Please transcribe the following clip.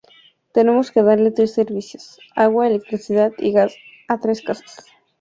Tenemos que darle tres servicios, agua, electricidad y gas a tres casas.